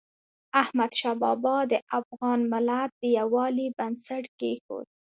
احمدشاه بابا د افغان ملت د یووالي بنسټ کېښود.